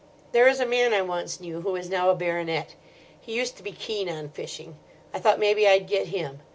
There is a man I once knew who is now a baronet. He used to be keen on fishing. I thought maybe I'd get him.